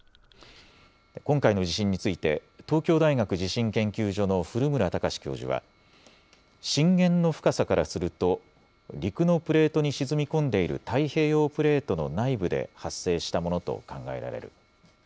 今回の地震について東京大学地震研究所の古村孝志教授は震源の深さからすると陸のプレートに沈み込んでいる太平洋プレートの内部で発生したものと考えられる。